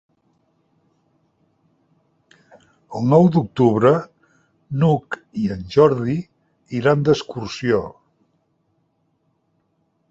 El nou d'octubre n'Hug i en Jordi iran d'excursió.